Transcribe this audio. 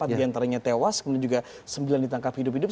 empat diantaranya tewas kemudian juga sembilan ditangkap hidup hidup